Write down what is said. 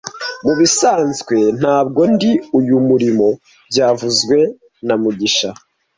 Mubisanzwe ntabwo ndi uyu murimo byavuzwe na mugisha